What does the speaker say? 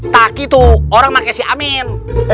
tapi orang pake si amin